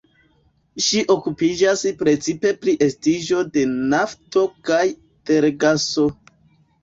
Ŝi okupiĝas precipe pri estiĝo de nafto kaj tergaso.